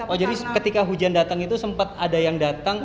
oh jadi ketika hujan datang itu sempat ada yang datang